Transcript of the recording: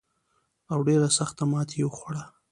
او ډېره سخته ماته یې وخوړه.